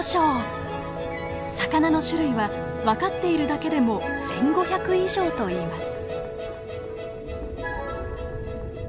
魚の種類は分かっているだけでも１，５００以上といいます。